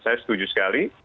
saya setuju sekali